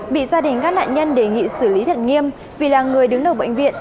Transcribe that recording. bị gia đình các nạn nhân đề nghị xử lý thật nghiêm vì là người đứng đầu bệnh viện